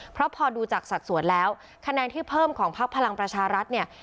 เพราะพอดูจากสัดส่วนแล้วคะแนนที่เพิ่มของพักพลังประชารัฐเนี่ย